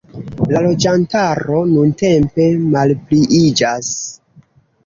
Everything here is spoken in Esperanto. La loĝantaro nuntempe malpliiĝas.